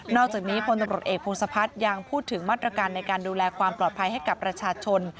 อกจากนี้พลตำรวจเอกพงศพัฒน์ยังพูดถึงมาตรการในการดูแลความปลอดภัยให้กับประชาชน